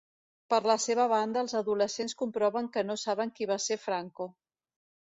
Per la seva banda, els adolescents comproven que no saben qui va ser Franco.